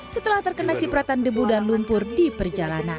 setelah terkena cipratan debu dan lumpur di perjalanan